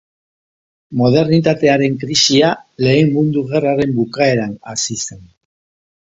Modernitatearen krisia, Lehen Mundu Gerraren bukaeran hasi zen.